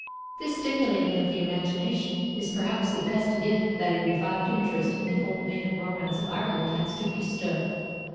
This stimulating of the imagination is perhaps the best gift that a revived interest in the old native romance of Ireland has to bestow.